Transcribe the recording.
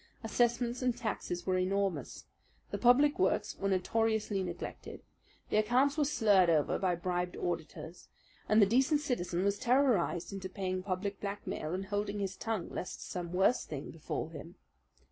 Assessments and taxes were enormous; the public works were notoriously neglected, the accounts were slurred over by bribed auditors, and the decent citizen was terrorized into paying public blackmail, and holding his tongue lest some worse thing befall him.